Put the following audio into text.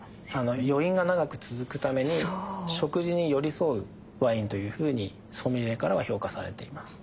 余韻が長く続くために食事に寄り添うワインというふうにソムリエからは評価されています。